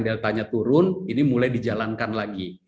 delta nya turun ini mulai dijalankan lagi